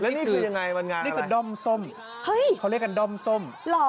นี่คือยังไงมันงานนี่คือด้อมส้มเฮ้ยเขาเรียกกันด้อมส้ม